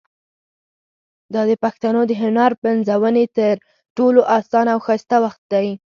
دا د پښتنو د هنر پنځونې تر ټولو اسانه او ښایسته وخت دی.